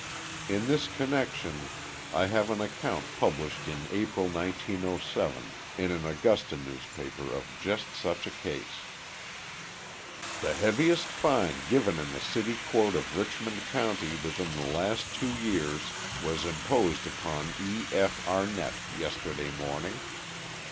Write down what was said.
In this connection I have an account published in April, 1907, in an Augusta newspaper of just such a case: The heaviest fine given in the city court of Richmond County within the last two years was imposed upon E. F. Arnett yesterday morning.